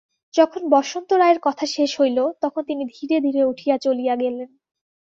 যখন বসন্ত রায়ের কথা শেষ হইল, তখন তিনি ধীরে ধীরে উঠিয়া চলিয়া গেলেন।